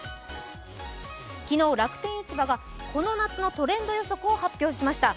昨日、楽天市場がこの夏のトレンド予測を発表しました。